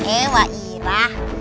eh wak irah